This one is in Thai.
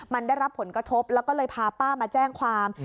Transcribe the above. มันได้รับผลกระทบแล้วก็เลยพาป้ามาแจ้งความ